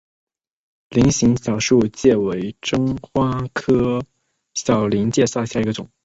菱形小林介为真花介科小林介属下的一个种。